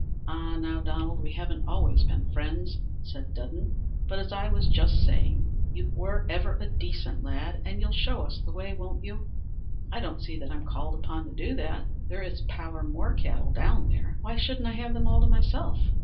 "Ah, now, Donald, we haven't always been friends," said Dudden, "but, as I was just saying, you were ever a decent lad, and you'll show us the way, won't you?" "I don't see that I'm called upon to do that; there is a power more cattle down there. Why shouldn't I have them all to myself?"